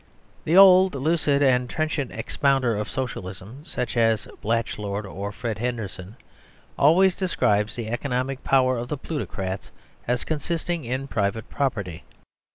The old lucid and trenchant expounder of Socialism, such as Blatchford or Fred Henderson, always describes the economic power of the plutocrats as consisting in private property.